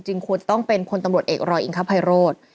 จริงควรต้องเป็นพตำรวจเอกรอยอิงข้าวไพโรธ